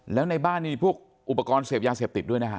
แล้วในบ้านมีพวกอุปกรณ์เสพยาเสพติดด้วยนะฮะ